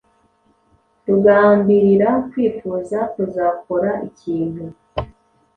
Kugambirira: kwifuza kuzakora ikintu